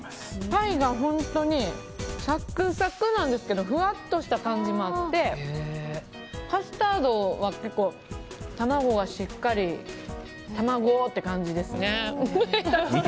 パイがサクサクなんですけどふわっとした感じもあってカスタードは結構卵がしっかり卵！って感じですね。